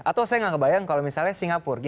atau saya tidak kebayang kalau misalnya singapura